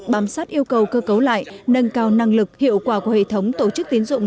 bám sát yêu cầu cơ cấu lại nâng cao năng lực hiệu quả của hệ thống tổ chức tiến dụng